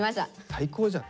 最高じゃん。